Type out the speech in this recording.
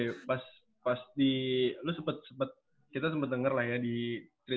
iya pas di lu sempet sempet kita sempet denger lah ya di